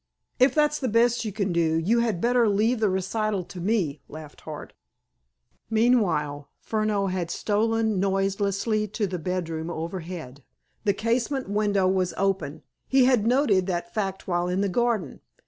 "If that's the best you can do, you had better leave the recital to me," laughed Hart. Meanwhile, Furneaux had stolen noiselessly to the bedroom overhead. The casement window was open—he had noted that fact while in the garden.